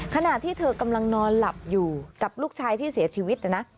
ขณะที่เธอกำลังนอนหลับอยู่กับลูกชายที่เสียชีวิตนะนะ